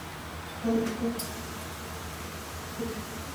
د بنده په ذهن کې ناوړه تصویر جوړېږي.